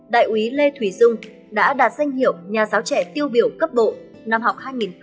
đại úy lê thùy dung đã đạt danh hiệu nhà giáo trẻ tiêu biểu cấp bộ năm học hai nghìn hai mươi hai hai nghìn hai mươi ba